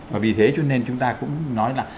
và vì thế cho nên chúng ta cũng nói là